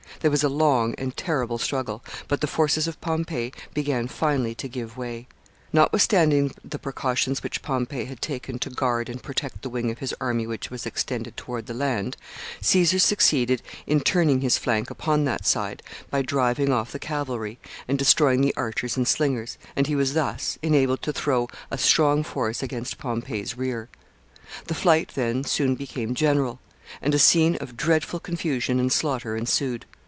There was a long and terrible struggle, but the forces of Pompey began finally to give way. Notwithstanding the precautions which Pompey had taken to guard and protect the wing of his army which was extended toward the land, Caesar succeeded in turning his flank upon that side by driving off the cavalry and destroying the archers and slingers, and he was thus enabled to throw a strong force upon Pompey's rear. The flight then soon became general, and a scene of dreadful confusion and slaughter ensued.